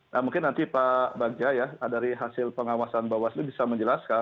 nah mungkin nanti pak bagja ya dari hasil pengawasan bawaslu bisa menjelaskan